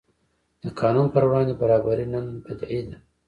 د قانون پر وړاندې برابري نن بدیهي ده.